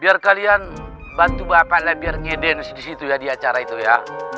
biar kalian bantu bapak lah biar ngedance di situ ya di acara itu ya